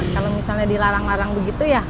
kalau misalnya dilarang larang begitu ya